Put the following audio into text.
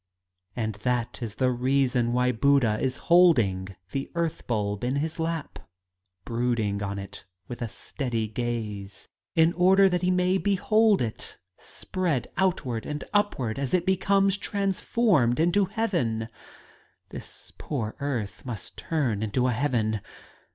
And that is the reason why Buddha is holding the earth bulb in his lap, brooding on it with a steady gaze, in order that he may behold it spread outward and upward as it becomes transformed into a heaven This poor earth must turn into a heaven!